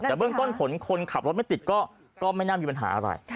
แต่เบื้องต้นผลคนขับรถไม่ติดก็ไม่น่ามีปัญหาอะไร